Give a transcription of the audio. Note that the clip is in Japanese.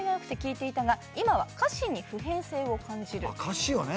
歌詞をね。